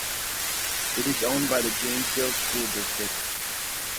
It is owned by the Janesville School District.